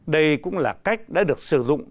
đây cũng là cách đã được sử dụng